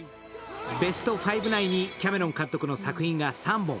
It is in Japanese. ベスト５内にキャメロン監督の作品が３本。